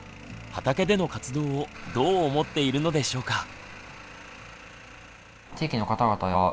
畑での活動をどう思っているのでしょうか。